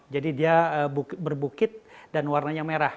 jadi dia berbukit dan warnanya merah